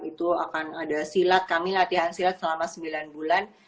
itu akan ada silat kami latihan silat selama sembilan bulan